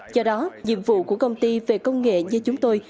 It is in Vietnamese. do đó nhiệm vụ của công ty về công nghệ như chúng tôi